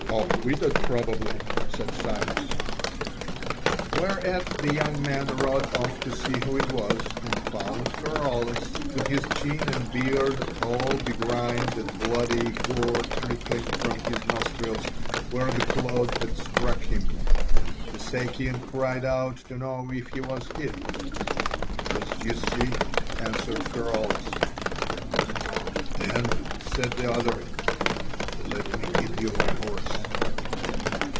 "Half witted, probably," said Cyrus. Whereat the young man rode off to see who it was, and found Pheraulas, with his chin and beard all begrimed and bloody, gore trickling from his nostrils were the clod had struck him. The Sakian cried out to know if he was hit. "As you see," answered Pheraulas. "Then," said the other, "let me give you my horse."